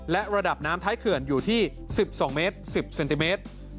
และระดับน้ำท้ายเขื่อนอยู่ที่๑๒เมตร๑๐เซนติเมตร